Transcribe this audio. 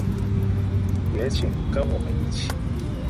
也請跟我們一起